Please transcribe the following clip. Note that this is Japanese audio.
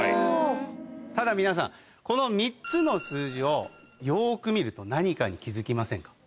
ただ皆さんこの３つの数字をよく見ると何かに気付きませんか？